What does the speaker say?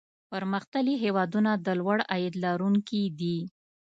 پرمختللي هېوادونه د لوړ عاید لرونکي دي.